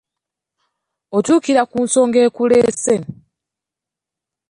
Otuukira ku nsonga ekuleese.